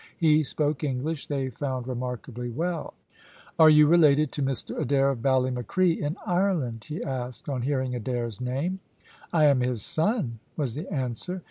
He spoke English, they found, remarkably well. "Are you related to Mr Adair, of Ballymacree, in Ireland?" he asked, on hearing Adair's name. "I am his son," was the answer.